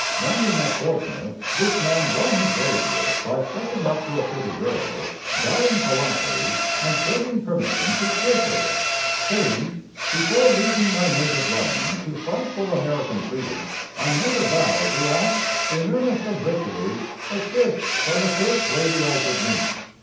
Landing at Portsmouth, this man won his wager by stepping up to a pretty girl, bowing politely, and begging permission to kiss her, saying: "Before leaving my native land to fight for American freedom, I made a vow to ask, in earnest of victory, a kiss from the first lady I should meet."